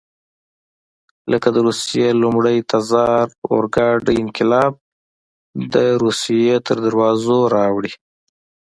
لکه د روسیې لومړي تزار اورګاډی انقلاب د روسیې تر دروازو راوړي.